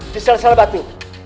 di sel sel batu